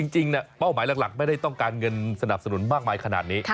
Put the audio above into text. เป้าหมายหลักไม่ได้ต้องการเงินสนับสนุนมากมายขนาดนี้